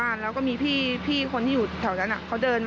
อาจจะเข้าใจผิดคิดว่าผู้ชายสองคนที่มาในรถ